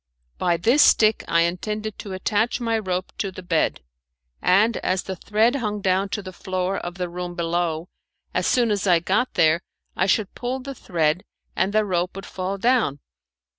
By this stick I intended to attach my rope to the bed, and as the thread hung down to the floor of the room below, as soon as I got there I should pull the thread and the rope would fall down.